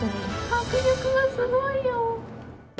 迫力がすごいよ。